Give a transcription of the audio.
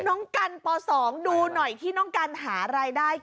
น้องกันป๒ดูหน่อยที่น้องกันหารายได้